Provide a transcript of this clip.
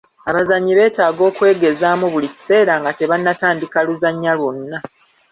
Abazannyi beetaaga okwegezaamu buli kiseera nga tebannatandika luzannya lwonna.